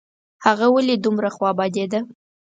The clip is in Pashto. هغه ولي دومره خوابدې ده ؟